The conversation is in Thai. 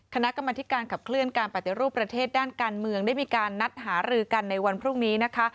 คณะกรรมธิการขับเคลื่อนการปฏิรูปประเทศด้านการเมืองได้มีการนัดหารือกันในวันพรุ่งนี้นะคะ